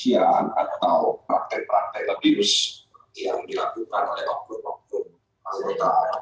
kondisian atau praktek praktek lebih yang dilakukan oleh kompolnas